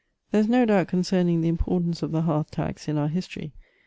There is no doubt concerning the importance of the hearth tax in our history.